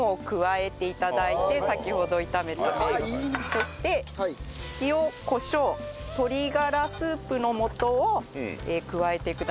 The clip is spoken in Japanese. そして塩コショウ鶏がらスープの素を加えてください。